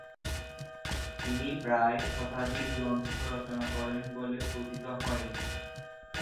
তিনি প্রায় শতাধিক গ্রন্থ রচনা করেন বলে কথিত হয়।